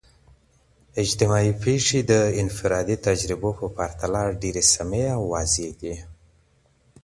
اجتماعي پیښې د انفرادي تجربو په پرتله ډیر سمیع او واضح دي.